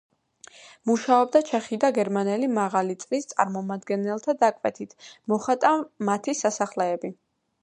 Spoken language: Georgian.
მუშაობდა ჩეხი და გერმანელი მაღალი წრის წარმომადგენელთა დაკვეთით, მოხატა მათი სასახლეები.